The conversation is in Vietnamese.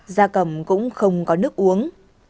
gia cầm cũng không có nước uống